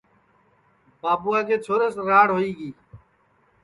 رونک رجیوٹؔیں چھورا اور مُکیش بابوا کا چھورا اِن کی راڑ ہوئی تی